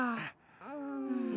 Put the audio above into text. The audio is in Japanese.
うん。